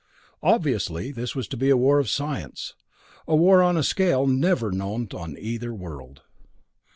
Obviously, this was to be a war of science, a war on a scale never before known on either world.